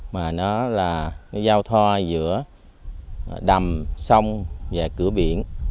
mà nó là giao thoa giữa đầm sông và cửa biển